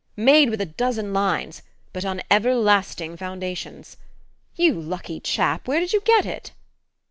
Made with a dozen lines but on everlasting foundations. You lucky chap, where did you get it?"